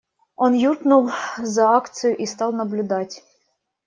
Он юркнул за акацию и стал наблюдать.